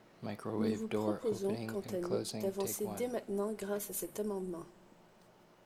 Nous vous proposons quant à nous d’avancer dès maintenant grâce à cet amendement.